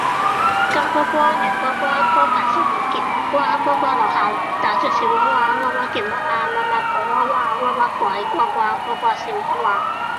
金瓜瓜，銀瓜瓜，瓜棚上面結滿瓜。瓜瓜落下來，打着小娃娃；娃娃叫媽媽，媽媽抱娃娃；娃娃怪瓜瓜，瓜瓜笑娃娃